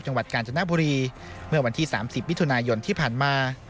จังหวัดกาญจนบุรีเมื่อวันที่๓๐มิถุนายนที่ผ่านมา